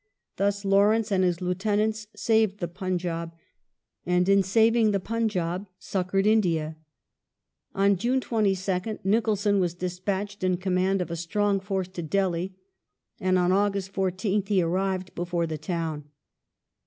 Thus Lawrence and his lieutenants saved the Punjab, and in saving the Punjab succoured India. On June 22nd Nicholson was despatched in command of a strong force to Delhi, and on August 14th he arrived before the town.